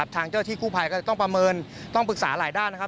ทางเจ้าที่กู้ภัยก็จะต้องประเมินต้องปรึกษาหลายด้านนะครับ